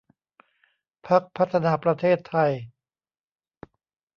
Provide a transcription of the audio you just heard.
พรรคพัฒนาประเทศไทย